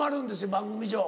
番組上。